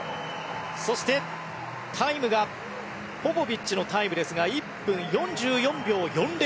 そして、タイムがポポビッチのタイムですが１分４４秒４０。